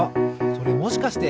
それもしかして？